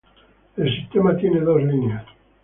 La sistema tiene dos líneas.